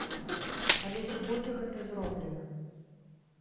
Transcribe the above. Але ці будзе гэта зроблена?